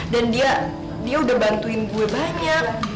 dan dia udah bantuin gue banyak